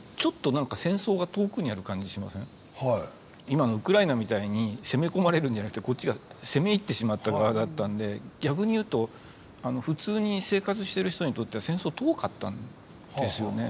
今のウクライナみたいに攻め込まれるんじゃなくてこっちが攻め入ってしまった側だったんで逆に言うと普通に生活してる人にとっては戦争遠かったんですよね。